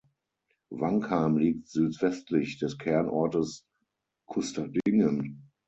Wankheim liegt südwestlich des Kernortes Kusterdingen.